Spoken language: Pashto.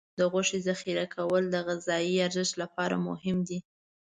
د غوښې ذخیره کول د غذايي ارزښت لپاره مهم دي.